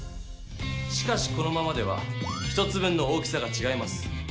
しかしこのままでは１つ分の大きさがちがいます。